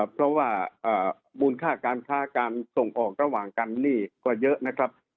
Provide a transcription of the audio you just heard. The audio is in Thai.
เพราะว่ามูลค่าการค้าการส่งออกระหว่างกันหนี้ก็เยอะนะครับ